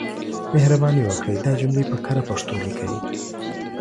مهرباني وکړئ دا جملې په کره پښتو ليکئ.